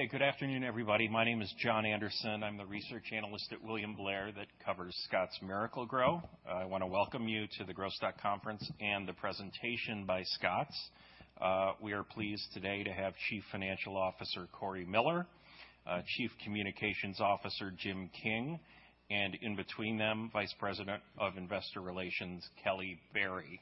Hey, good afternoon, everybody. My name is Jon Andersen. I'm the Research Analyst at William Blair that covers Scotts Miracle-Gro. I wanna welcome you to the Growth Stock Conference and the presentation by Scotts. We are pleased today to have Chief Financial Officer Cory Miller, Chief Communications Officer Jim King, and in between them, Vice President of Investor Relations, Kelly Berry.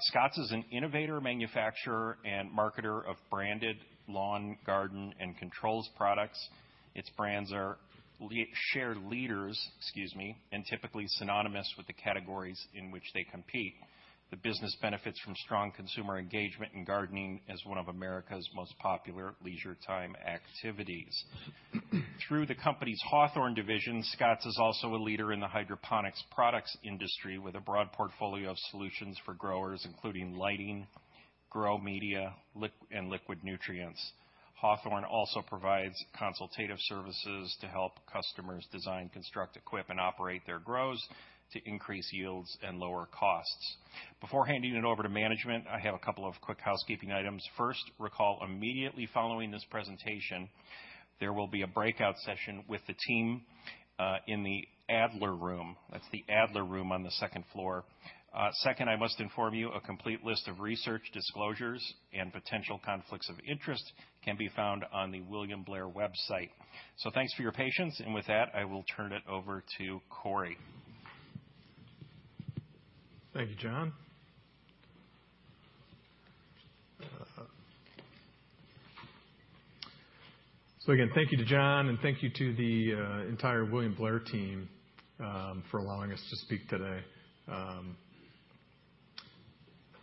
Scotts is an innovator, manufacturer, and marketer of branded lawn, garden, and control products. Its brands are market share leaders and typically synonymous with the categories in which they compete. The business benefits from strong consumer engagement and gardening as one of America's most popular leisure time activities. Through the company's Hawthorne division, Scotts is also a leader in the hydroponics products industry with a broad portfolio of solutions for growers, including lighting, grow media, and liquid nutrients. Hawthorne also provides consultative services to help customers design, construct, equip, and operate their grows to increase yields and lower costs. Before handing it over to management, I have a couple of quick housekeeping items. First, recall, immediately following this presentation, there will be a breakout session with the team in the Adler Room. That's the Adler Room on the second floor. Second, I must inform you a complete list of research disclosures and potential conflicts of interest can be found on the William Blair website. Thanks for your patience, and with that, I will turn it over to Cory. Thank you, Jon. Again, thank you to Jon, and thank you to the entire William Blair team for allowing us to speak today.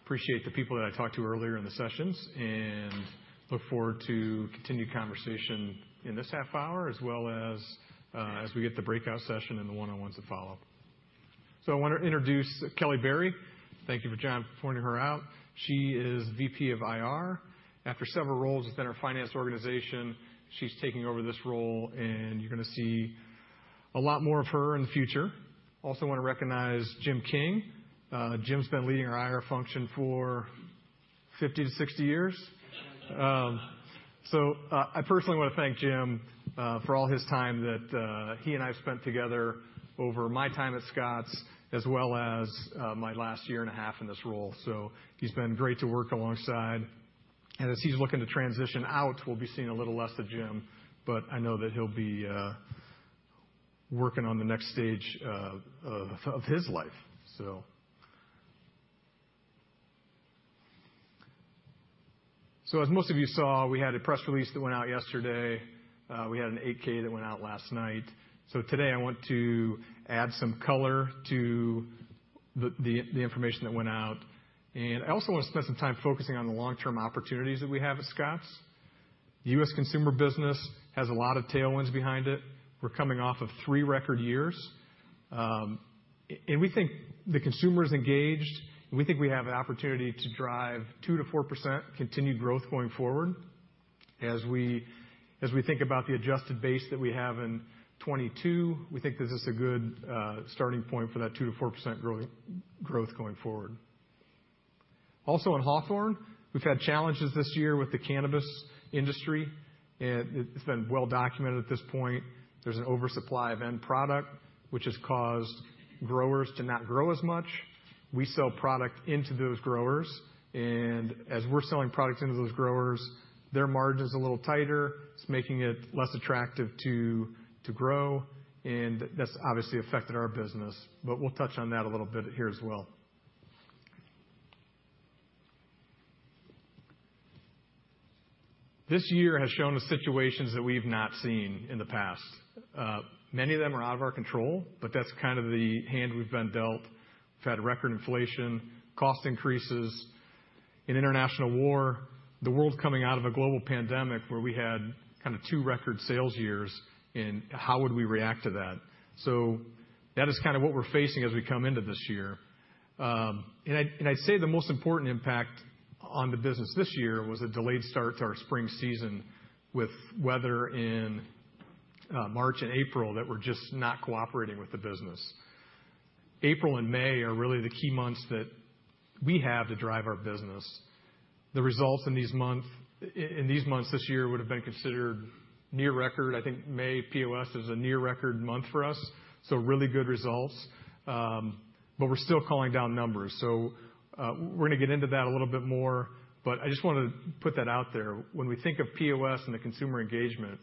Appreciate the people that I talked to earlier in the sessions, and look forward to continued conversation in this half hour, as well as we get to breakout session and the one-on-ones that follow. I want to introduce Kelly Berry. Thank you for Jon pointing her out. She is VP of IR. After several roles within our finance organization, she's taking over this role, and you're gonna see a lot more of her in the future. Also wanna recognize Jim King. Jim's been leading our IR function for 50-60 years. I personally wanna thank Jim for all his time that he and I have spent together over my time at Scotts as well as my last year and a half in this role. He's been great to work alongside. As he's looking to transition out, we'll be seeing a little less of Jim, but I know that he'll be working on the next stage of his life. As most of you saw, we had a press release that went out yesterday. We had an 8-K that went out last night. Today, I want to add some color to the information that went out. I also wanna spend some time focusing on the long-term opportunities that we have at Scotts. U.S. consumer business has a lot of tailwinds behind it. We're coming off of three record years. We think the consumer's engaged, and we think we have an opportunity to drive 2%-4% continued growth going forward. As we think about the adjusted base that we have in 2022, we think this is a good starting point for that 2%-4% growth going forward. Also on Hawthorne, we've had challenges this year with the cannabis industry, and it's been well documented at this point. There's an oversupply of end product, which has caused growers to not grow as much. We sell product into those growers, and as we're selling products into those growers, their margin's a little tighter. It's making it less attractive to grow, and that's obviously affected our business, but we'll touch on that a little bit here as well. This year has shown us situations that we've not seen in the past. Many of them are out of our control, but that's kind of the hand we've been dealt. We've had record inflation, cost increases, an international war, the world's coming out of a global pandemic where we had kinda two record sales years, and how would we react to that? That is kinda what we're facing as we come into this year. I'd say the most important impact on the business this year was a delayed start to our spring season with weather in March and April that were just not cooperating with the business. April and May are really the key months that we have to drive our business. The results in these months this year would have been considered near record. I think May POS is a near record month for us, so really good results. But we're still calling down numbers. We're gonna get into that a little bit more, but I just wanna put that out there. When we think of POS and the consumer engagement,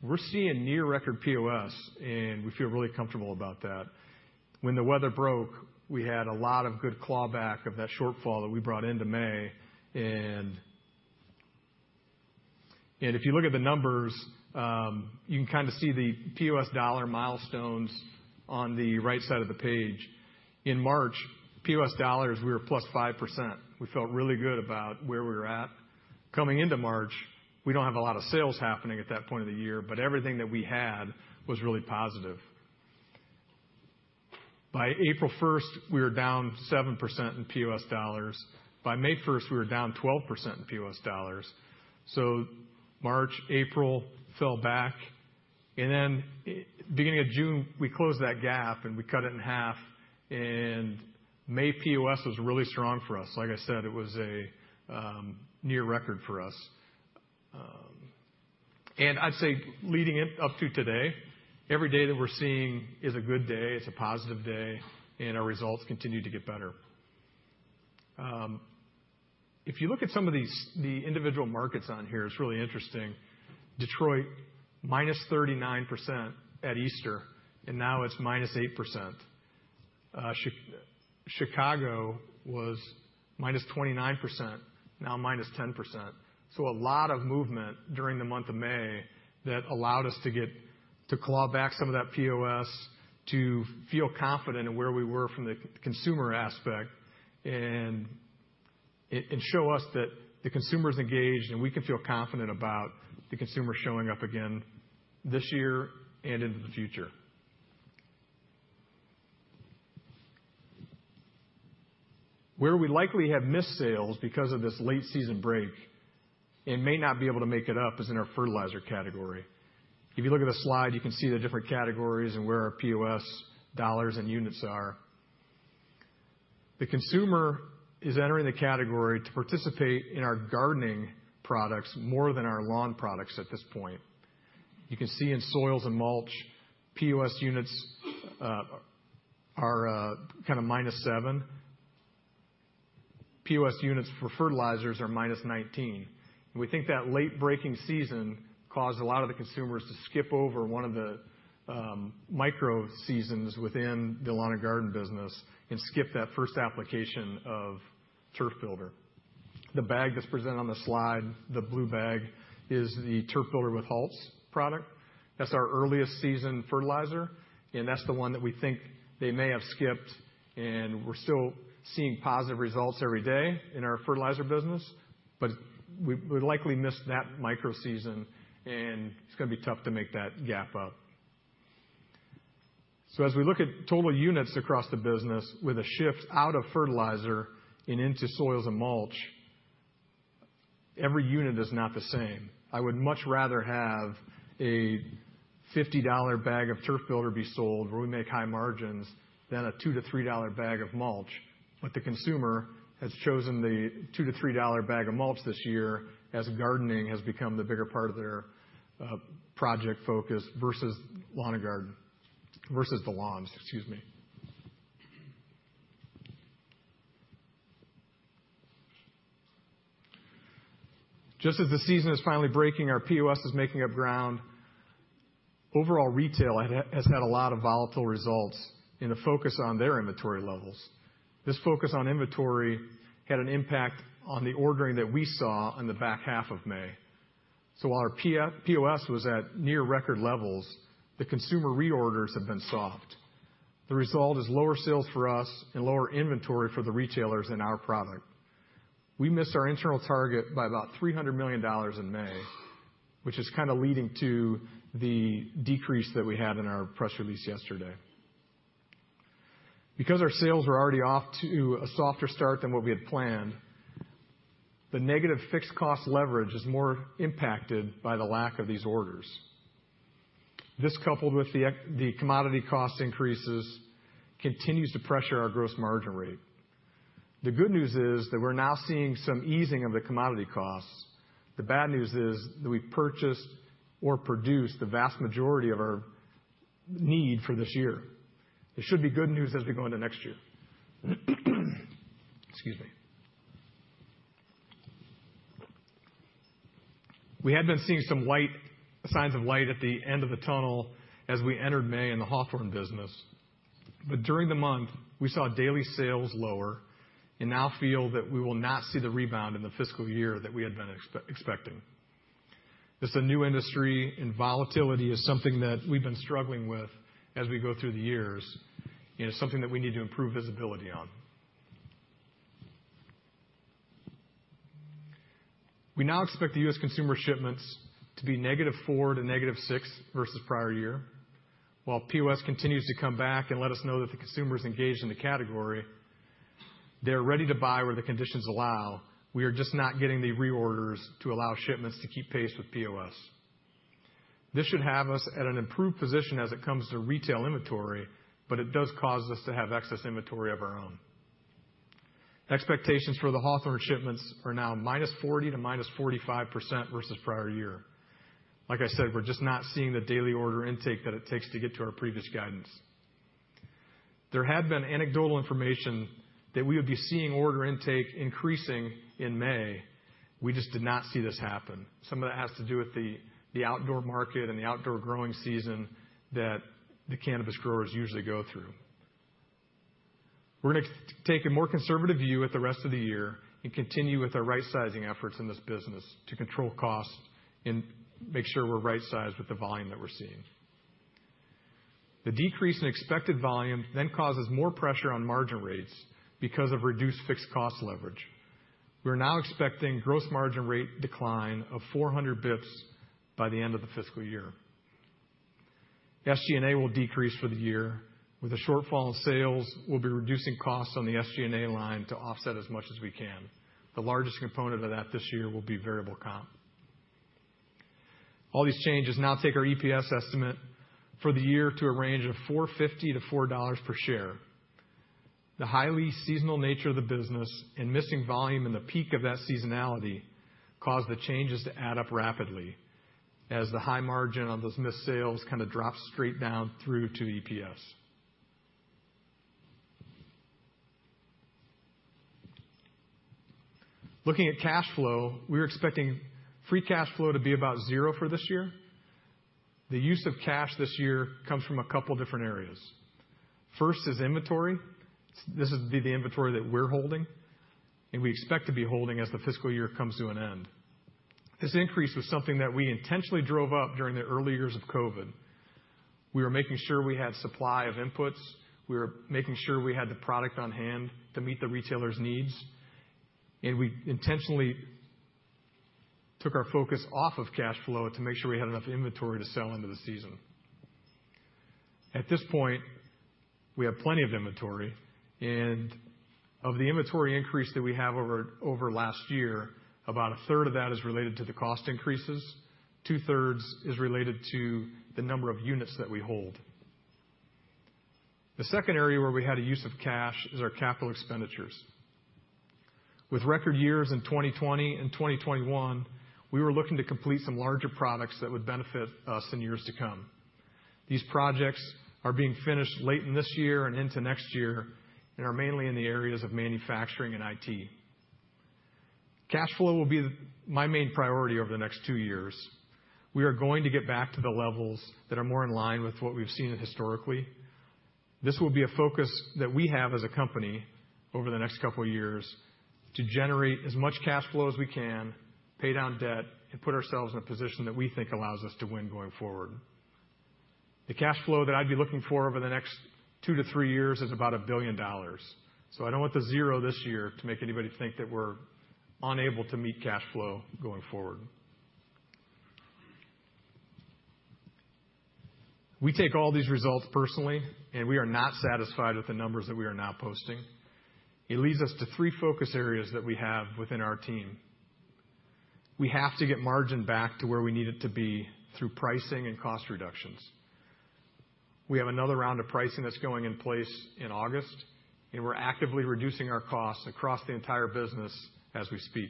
we're seeing near record POS, and we feel really comfortable about that. When the weather broke, we had a lot of good clawback of that shortfall that we brought into May. If you look at the numbers, you can kinda see the POS dollar milestones on the right side of the page. In March, POS dollars, we were +5%. We felt really good about where we were at. Coming into March, we don't have a lot of sales happening at that point of the year, but everything that we had was really positive. By April first, we were down 7% in POS dollars. By May first, we were down 12% in POS dollars. March, April, fell back. Beginning of June, we closed that gap and we cut it in half. May POS was really strong for us. Like I said, it was a near record for us. I'd say leading it up to today, every day that we're seeing is a good day, it's a positive day, and our results continue to get better. If you look at some of these, the individual markets on here, it's really interesting. Detroit, -39% at Easter, and now it's -8%. Chicago was -29%, now -10%. A lot of movement during the month of May that allowed us to claw back some of that POS to feel confident in where we were from the consumer aspect and it shows us that the consumer is engaged, and we can feel confident about the consumer showing up again this year and into the future. Where we likely have missed sales because of this late season break and may not be able to make it up is in our fertilizer category. If you look at the slide, you can see the different categories and where our POS dollars and units are. The consumer is entering the category to participate in our gardening products more than our lawn products at this point. You can see in soils and mulch, POS units are kinda -7. POS units for fertilizers are -19. We think that late breaking season caused a lot of the consumers to skip over one of the micro seasons within the lawn and garden business and skip that first application of Turf Builder. The bag that's presented on the slide, the blue bag, is the Turf Builder with Halts product. That's our earliest season fertilizer, and that's the one that we think they may have skipped, and we're still seeing positive results every day in our fertilizer business. We likely missed that micro season, and it's gonna be tough to make that gap up. As we look at total units across the business with a shift out of fertilizer and into soils and mulch, every unit is not the same. I would much rather have a $50 bag of Turf Builder be sold where we make high margins than a $2-$3 bag of mulch, but the consumer has chosen the $2-$3 bag of mulch this year as gardening has become the bigger part of their project focus versus the lawns. Just as the season is finally breaking, our POS is making up ground. Overall, retailers have had a lot of volatile results and a focus on their inventory levels. This focus on inventory had an impact on the ordering that we saw in the back half of May. While our POS was at near record levels, the consumer reorders have been soft. The result is lower sales for us and lower inventory for the retailers in our product. We missed our internal target by about $300 million in May, which is kinda leading to the decrease that we had in our press release yesterday. Because our sales were already off to a softer start than what we had planned, the negative fixed cost leverage is more impacted by the lack of these orders. This coupled with the commodity cost increases continues to pressure our gross margin rate. The good news is that we're now seeing some easing of the commodity costs. The bad news is that we purchased or produced the vast majority of our need for this year. It should be good news as we go into next year. Excuse me. We had been seeing some signs of light at the end of the tunnel as we entered May in the Hawthorne business. During the month, we saw daily sales lower and now feel that we will not see the rebound in the fiscal year that we had been expecting. This is a new industry, and volatility is something that we've been struggling with as we go through the years, and it's something that we need to improve visibility on. We now expect the U.S. consumer shipments to be -4% to -6% versus prior year. While POS continues to come back and let us know that the consumer is engaged in the category, they're ready to buy where the conditions allow. We are just not getting the reorders to allow shipments to keep pace with POS. This should have us at an improved position as it comes to retail inventory, but it does cause us to have excess inventory of our own. Expectations for the Hawthorne shipments are now -40%-45% versus prior year. Like I said, we're just not seeing the daily order intake that it takes to get to our previous guidance. There had been anecdotal information that we would be seeing order intake increasing in May. We just did not see this happen. Some of that has to do with the outdoor market and the outdoor growing season that the cannabis growers usually go through. We're gonna take a more conservative view at the rest of the year and continue with our right-sizing efforts in this business to control costs and make sure we're right-sized with the volume that we're seeing. The decrease in expected volume then causes more pressure on margin rates because of reduced fixed cost leverage. We're now expecting gross margin rate decline of 400 basis points by the end of the fiscal year. SG&A will decrease for the year. With the shortfall in sales, we'll be reducing costs on the SG&A line to offset as much as we can. The largest component of that this year will be variable comp. All these changes now take our EPS estimate for the year to a range of $4.50-$4 per share. The highly seasonal nature of the business and missing volume in the peak of that seasonality caused the changes to add up rapidly as the high margin on those missed sales kind of drops straight down through to EPS. Looking at cash flow, we're expecting free cash flow to be about zero for this year. The use of cash this year comes from a couple different areas. First is inventory. This is the inventory that we're holding, and we expect to be holding as the fiscal year comes to an end. This increase was something that we intentionally drove up during the early years of COVID. We were making sure we had supply of inputs. We were making sure we had the product on-hand to meet the retailers' needs. We intentionally took our focus off of cash flow to make sure we had enough inventory to sell into the season. At this point, we have plenty of inventory, and of the inventory increase that we have over last year, about 1/3 of that is related to the cost increases. Two-thirds is related to the number of units that we hold. The second area where we had a use of cash is our capital expenditures. With record years in 2020 and 2021, we were looking to complete some larger projects that would benefit us in years to come. These projects are being finished late in this year and into next year, and are mainly in the areas of manufacturing and IT. Cash flow will be my main priority over the next two years. We are going to get back to the levels that are more in line with what we've seen historically. This will be a focus that we have as a company over the next couple of years to generate as much cash flow as we can, pay down debt, and put ourselves in a position that we think allows us to win going forward. The cash flow that I'd be looking for over the next two to three years is about $1 billion. I don't want the zero this year to make anybody think that we're unable to meet cash flow going forward. We take all these results personally, and we are not satisfied with the numbers that we are now posting. It leads us to three focus areas that we have within our team. We have to get margin back to where we need it to be through pricing and cost reductions. We have another round of pricing that's going in place in August, and we're actively reducing our costs across the entire business as we speak.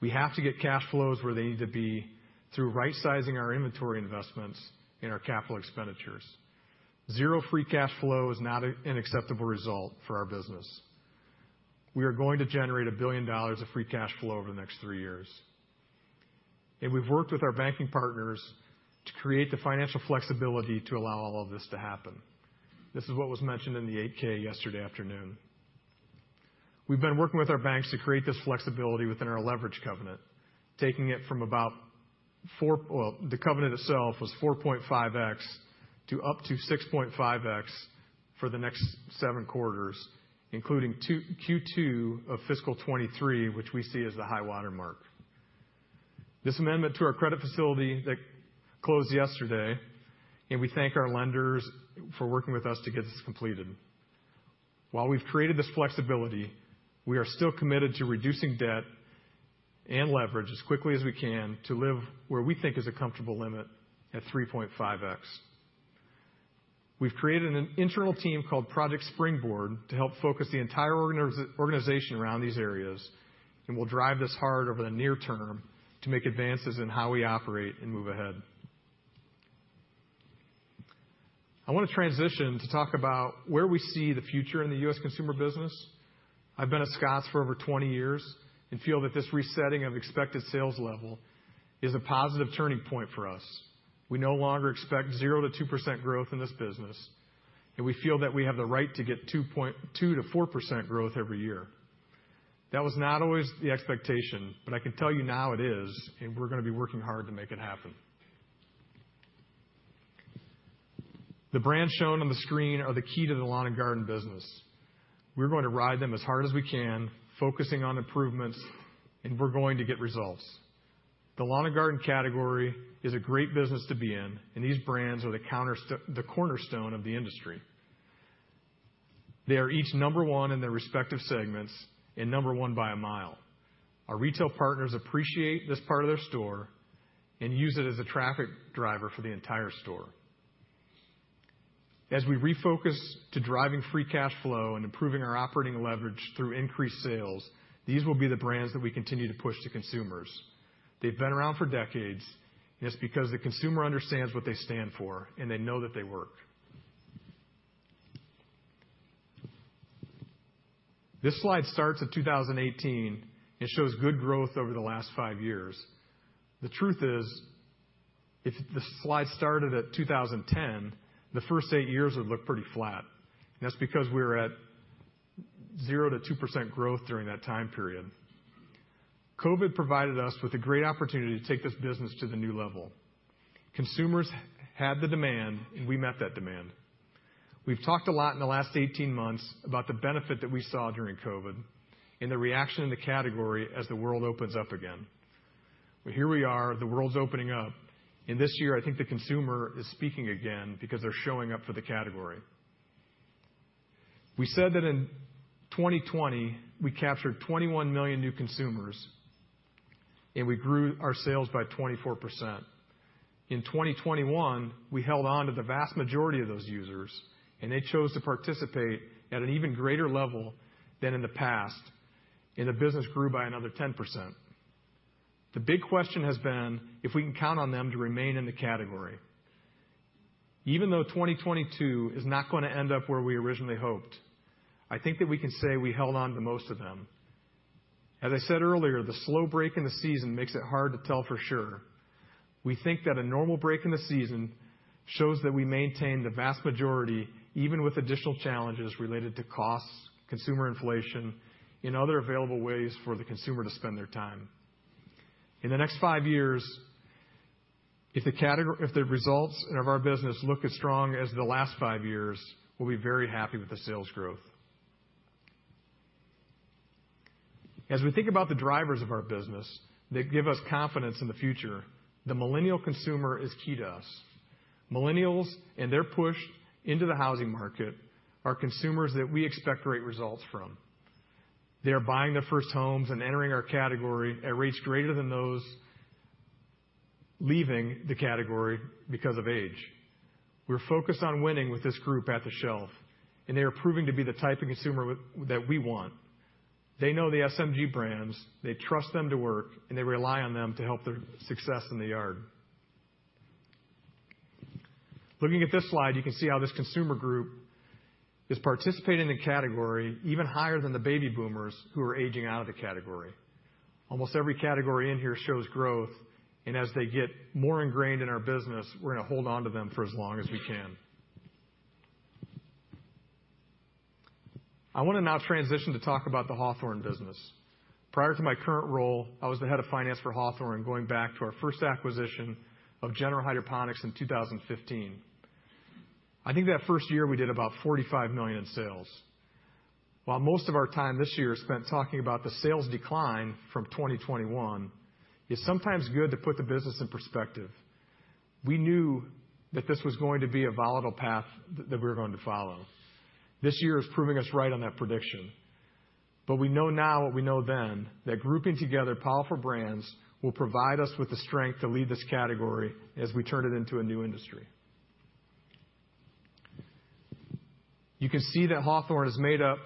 We have to get cash flows where they need to be through rightsizing our inventory investments in our capital expenditures. Zero free cash flow is not an acceptable result for our business. We are going to generate $1 billion of free cash flow over the next three years. We've worked with our banking partners to create the financial flexibility to allow all of this to happen. This is what was mentioned in the 8-K yesterday afternoon. We've been working with our banks to create this flexibility within our leverage covenant, the covenant itself was 4.5x to up to 6.5x for the next seven quarters, including Q2 of fiscal 2023, which we see as the high watermark. This amendment to our credit facility that closed yesterday. We thank our lenders for working with us to get this completed. While we've created this flexibility, we are still committed to reducing debt and leverage as quickly as we can to live where we think is a comfortable limit at 3.5x. We've created an internal team called Project Springboard to help focus the entire organization around these areas, and we'll drive this hard over the near term to make advances in how we operate and move ahead. I want to transition to talk about where we see the future in the U.S. consumer business. I've been at Scotts for over 20 years and feel that this resetting of expected sales level is a positive turning point for us. We no longer expect 0%-2% growth in this business, and we feel that we have the right to get 2%-4% growth every year. That was not always the expectation, but I can tell you now it is, and we're gonna be working hard to make it happen. The brands shown on the screen are the key to the lawn and garden business. We're going to ride them as hard as we can, focusing on improvements, and we're going to get results. The lawn and garden category is a great business to be in, and these brands are the cornerstone of the industry. They are each number one in their respective segments and number one by a mile. Our retail partners appreciate this part of their store and use it as a traffic driver for the entire store. As we refocus to driving free cash flow and improving our operating leverage through increased sales, these will be the brands that we continue to push to consumers. They've been around for decades, and it's because the consumer understands what they stand for, and they know that they work. This slide starts at 2018. It shows good growth over the last five years. The truth is, if the slide started at 2010, the first eight years would look pretty flat. That's because we were at 0%-2% growth during that time period. COVID provided us with a great opportunity to take this business to the new level. Consumers had the demand, and we met that demand. We've talked a lot in the last 18 months about the benefit that we saw during COVID and the reaction in the category as the world opens up again. Well, here we are, the world's opening up, and this year I think the consumer is speaking again because they're showing up for the category. We said that in 2020 we captured 21 million new consumers, and we grew our sales by 24%. In 2021, we held on to the vast majority of those users, and they chose to participate at an even greater level than in the past, and the business grew by another 10%. The big question has been if we can count on them to remain in the category. Even though 2022 is not gonna end up where we originally hoped, I think that we can say we held on to most of them. As I said earlier, the slow break in the season makes it hard to tell for sure. We think that a normal break in the season shows that we maintain the vast majority, even with additional challenges related to costs, consumer inflation, and other available ways for the consumer to spend their time. In the next five years, if the results of our business look as strong as the last five years, we'll be very happy with the sales growth. As we think about the drivers of our business that give us confidence in the future, the Millennial consumer is key to us. Millennials and their push into the housing market are consumers that we expect great results from. They are buying their first homes and entering our category at rates greater than those leaving the category because of age. We're focused on winning with this group at the shelf, and they are proving to be the type of consumer that we want. They know the SMG brands, they trust them to work, and they rely on them to help their success in the yard. Looking at this slide, you can see how this consumer group is participating in category even higher than the baby boomers who are aging out of the category. Almost every category in here shows growth, and as they get more ingrained in our business, we're gonna hold on to them for as long as we can. I wanna now transition to talk about the Hawthorne business. Prior to my current role, I was the head of finance for Hawthorne, going back to our first acquisition of General Hydroponics in 2015. I think that first year we did about $45 million in sales. While most of our time this year is spent talking about the sales decline from 2021, it's sometimes good to put the business in perspective. We knew that this was going to be a volatile path that we were going to follow. This year is proving us right on that prediction. We know now what we know then, that grouping together powerful brands will provide us with the strength to lead this category as we turn it into a new industry. You can see that Hawthorne has made up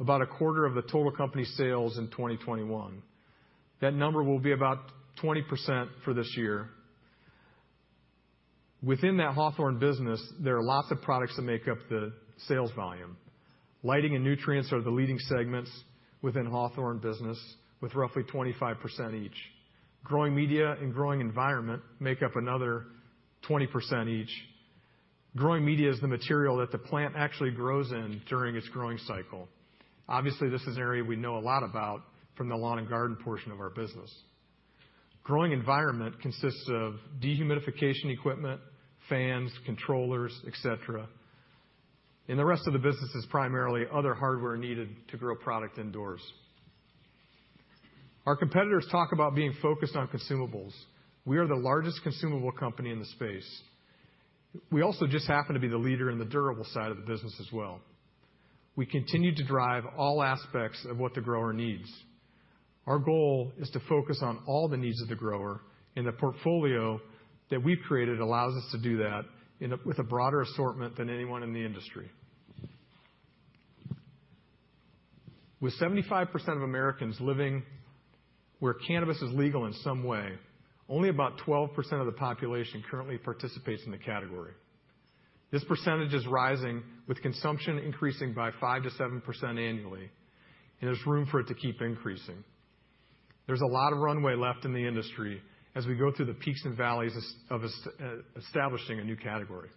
about 1/4 of the total company sales in 2021. That number will be about 20% for this year. Within that Hawthorne business, there are lots of products that make up the sales volume. Lighting and nutrients are the leading segments within Hawthorne business with roughly 25% each. Growing media and growing environment make up another 20% each. Growing media is the material that the plant actually grows in during its growing cycle. Obviously, this is an area we know a lot about from the lawn and garden portion of our business. Growing environment consists of dehumidification equipment, fans, controllers, et cetera. In the rest of the businesses, primarily other hardware needed to grow product indoors. Our competitors talk about being focused on consumables. We are the largest consumable company in the space. We also just happen to be the leader in the durable side of the business as well. We continue to drive all aspects of what the grower needs. Our goal is to focus on all the needs of the grower, and the portfolio that we've created allows us to do that with a broader assortment than anyone in the industry. With 75% of Americans living where cannabis is legal in some way, only about 12% of the population currently participates in the category. This percentage is rising, with consumption increasing by 5%-7% annually, and there's room for it to keep increasing. There's a lot of runway left in the industry as we go through the peaks and valleys of establishing a new category.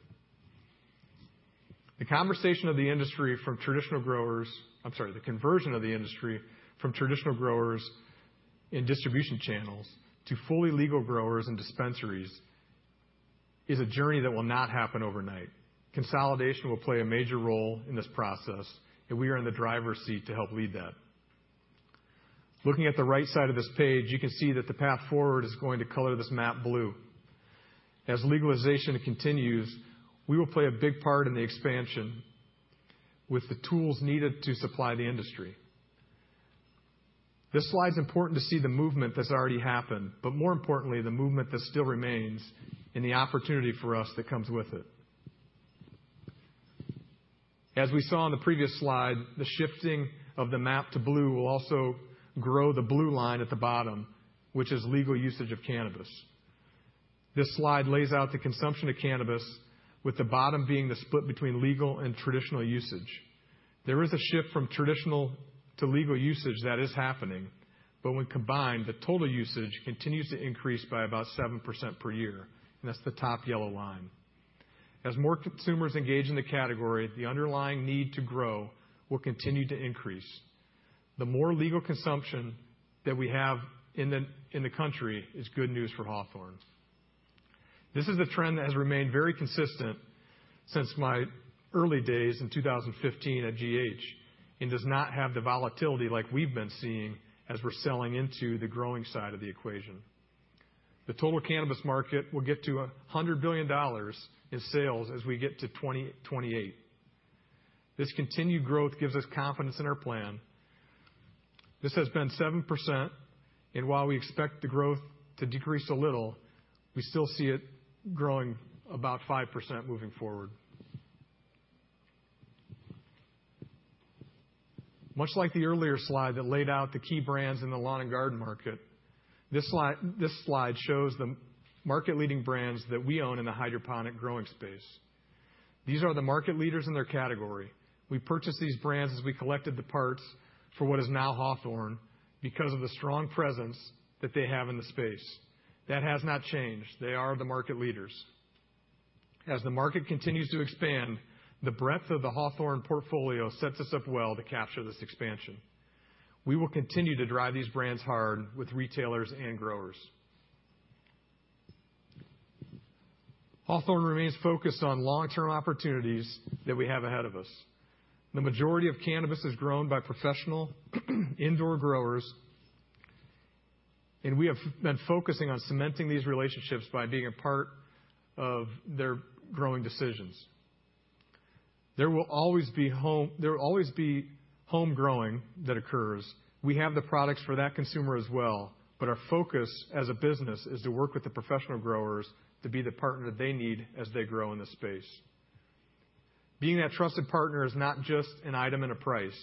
The conversion of the industry from traditional growers in distribution channels to fully legal growers and dispensaries is a journey that will not happen overnight. Consolidation will play a major role in this process, and we are in the driver's seat to help lead that. Looking at the right side of this page, you can see that the path forward is going to color this map blue. As legalization continues, we will play a big part in the expansion with the tools needed to supply the industry. This slide's important to see the movement that's already happened, but more importantly, the movement that still remains and the opportunity for us that comes with it. As we saw in the previous slide, the shifting of the map to blue will also grow the blue line at the bottom, which is legal usage of cannabis. This slide lays out the consumption of cannabis with the bottom being the split between legal and traditional usage. There is a shift from traditional to legal usage that is happening, but when combined, the total usage continues to increase by about 7% per year, and that's the top yellow line. As more consumers engage in the category, the underlying need to grow will continue to increase. The more legal consumption that we have in the country is good news for Hawthorne. This is a trend that has remained very consistent since my early days in 2015 at GH and does not have the volatility like we've been seeing as we're selling into the growing side of the equation. The total cannabis market will get to $100 billion in sales as we get to 2028. This continued growth gives us confidence in our plan. This has been 7%, and while we expect the growth to decrease a little, we still see it growing about 5% moving forward. Much like the earlier slide that laid out the key brands in the lawn and garden market, this slide shows the market-leading brands that we own in the hydroponic growing space. These are the market leaders in their category. We purchased these brands as we collected the parts for what is now Hawthorne because of the strong presence that they have in the space. That has not changed. They are the market leaders. As the market continues to expand, the breadth of the Hawthorne portfolio sets us up well to capture this expansion. We will continue to drive these brands hard with retailers and growers. Hawthorne remains focused on long-term opportunities that we have ahead of us. The majority of cannabis is grown by professional indoor growers, and we have been focusing on cementing these relationships by being a part of their growing decisions. There will always be home growing that occurs. We have the products for that consumer as well, but our focus as a business is to work with the professional growers to be the partner that they need as they grow in this space. Being that trusted partner is not just an item and a price.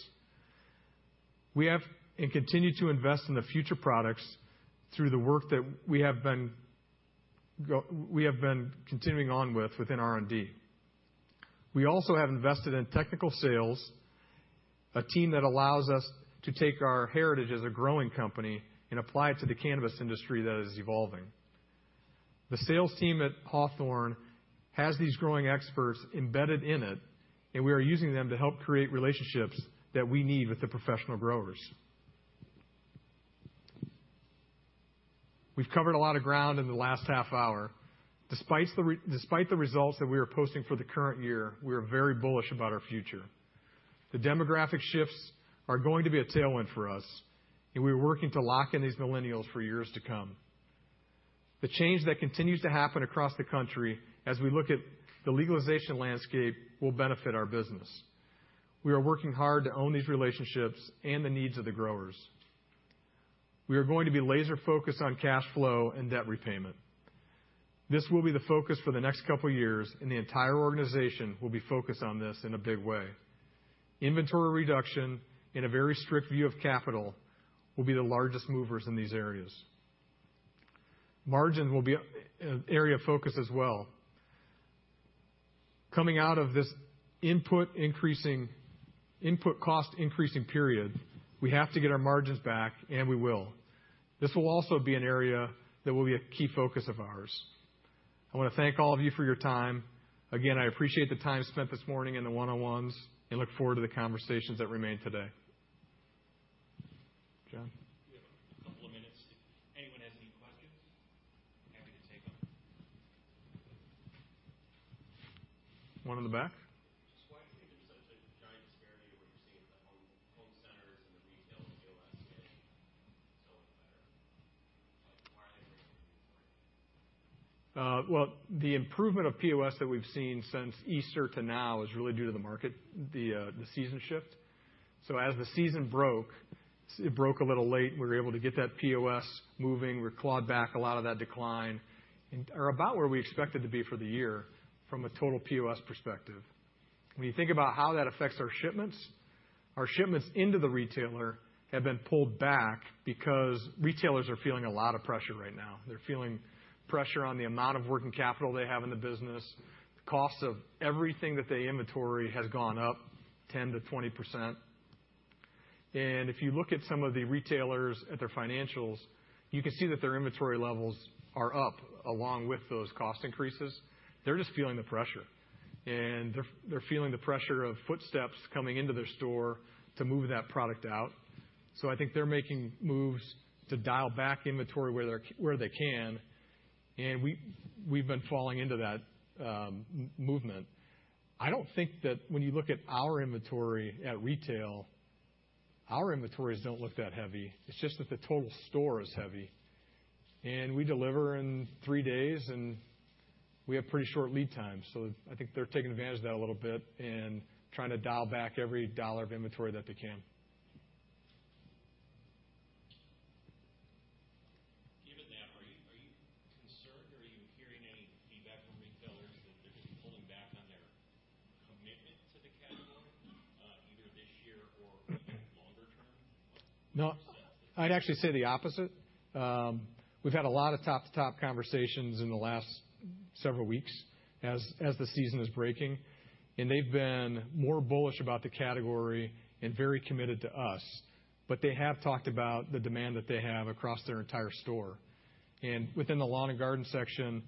We have and continue to invest in the future products through the work that we have been continuing on with within R&D. We also have invested in technical sales, a team that allows us to take our heritage as a growing company and apply it to the cannabis industry that is evolving. The sales team at Hawthorne has these growing experts embedded in it, and we are using them to help create relationships that we need with the professional growers. We've covered a lot of ground in the last half hour. Despite the results that we are posting for the current year, we are very bullish about our future. The demographic shifts are going to be a tailwind for us, and we are working to lock in these millennials for years to come. The change that continues to happen across the country as we look at the legalization landscape will benefit our business. We are working hard to own these relationships and the needs of the growers. We are going to be laser-focused on cash flow and debt repayment. This will be the focus for the next couple years, and the entire organization will be focused on this in a big way. Inventory reduction and a very strict view of capital will be the largest movers in these areas. Margins will be an area of focus as well. Coming out of this input increasing. Input cost increasing period, we have to get our margins back, and we will. This will also be an area that will be a key focus of ours. I wanna thank all of you for your time. Again, I appreciate the time spent this morning in the one-on-ones and look forward to the conversations that remain today. Jon? We have a couple of minutes. If anyone has any questions, happy to take them. One in the back. Just why do you think there's such a giant disparity to what you're seeing at the home centers and the retail POS so much better? Like, why are they The improvement of POS that we've seen since Easter to now is really due to the market, the season shift. So as the season broke, it broke a little late. We were able to get that POS moving. We clawed back a lot of that decline and are about where we expected to be for the year from a total POS perspective. When you think about how that affects our shipments, our shipments into the retailer have been pulled back because retailers are feeling a lot of pressure right now. They're feeling pressure on the amount of working capital they have in the business. The cost of everything that they inventory has gone up 10%-20%. If you look at some of the retailers, at their financials, you can see that their inventory levels are up along with those cost increases. They're just feeling the pressure of footsteps coming into their store to move that product out. I think they're making moves to dial back inventory where they can, and we've been falling into that movement. I don't think that when you look at our inventory at retail, our inventories don't look that heavy. It's just that the total store is heavy. We deliver in three days, and we have pretty short lead times. I think they're taking advantage of that a little bit and trying to dial back every dollar of inventory that they can. Given that, are you concerned, or are you hearing any feedback from retailers that they're just pulling back on their commitment to the category, either this year or maybe longer term? No. I'd actually say the opposite. We've had a lot of top-to-top conversations in the last several weeks as the season is breaking, and they've been more bullish about the category and very committed to us. They have talked about the demand that they have across their entire store. Within the lawn and garden section,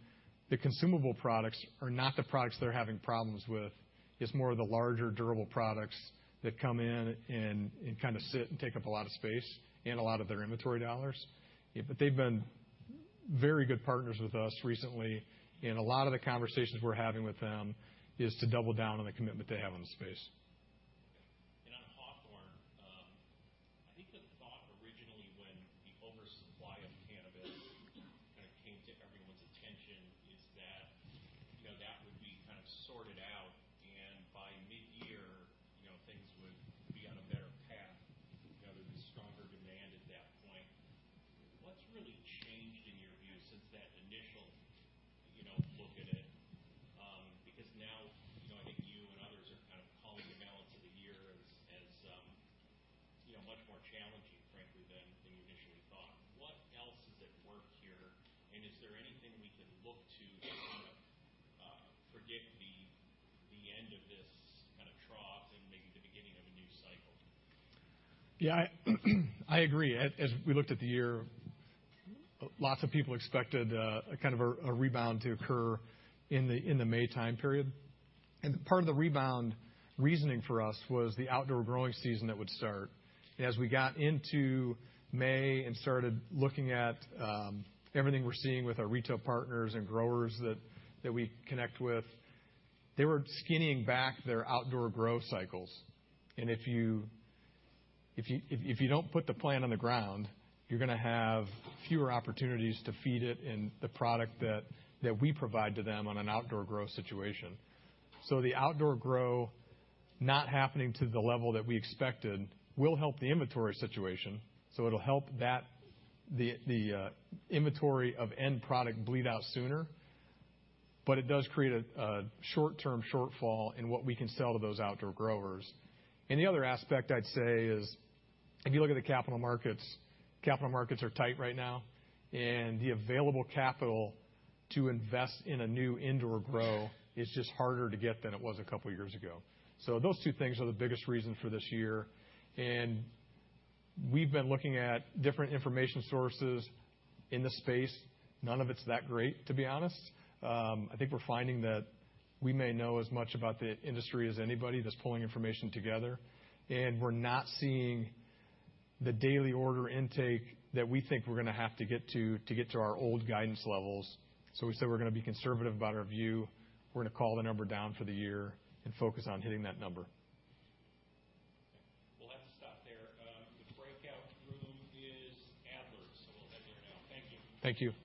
the consumable products are not the products they're having problems with. It's more of the larger durable products that come in and kinda sit and take up a lot of space and a lot of their inventory dollars. They've been very good partners with us recently, and a lot of the conversations we're having with them is to double down on the commitment they have on the space. On Hawthorne, I think the thought originally when the oversupply of cannabis kind of came to everyone's attention is that, you know, that would be kind of sorted out, and by mid-year, you know, things would be on a better path. You know, there'd be stronger demand at that point. What's really changed in your view since that initial, you know, look at it, because now, you know, I think you and others are kind of calling the balance of the year as you know much more challenging frankly than you initially thought. What else is at work here, and is there anything we can look to to sort of predict the end of this kind of trough and maybe the beginning of a new cycle? Yeah, I agree. As we looked at the year, lots of people expected kind of a rebound to occur in the May time period. Part of the rebound reasoning for us was the outdoor growing season that would start. As we got into May and started looking at everything we're seeing with our retail partners and growers that we connect with, they were scaling back their outdoor growth cycles. If you don't put the plant on the ground, you're gonna have fewer opportunities to feed it and the product that we provide to them on an outdoor growth situation. The outdoor grow not happening to the level that we expected will help the inventory situation. It'll help the inventory of end product bleed out sooner, but it does create a short-term shortfall in what we can sell to those outdoor growers. The other aspect I'd say is, if you look at the capital markets, capital markets are tight right now, and the available capital to invest in a new indoor grow is just harder to get than it was a couple years ago. Those two things are the biggest reason for this year. We've been looking at different information sources in the space. None of it's that great, to be honest. I think we're finding that we may know as much about the industry as anybody that's pulling information together, and we're not seeing the daily order intake that we think we're gonna have to get to get to our old guidance levels. We said we're gonna be conservative about our view. We're gonna call the number down for the year and focus on hitting that number.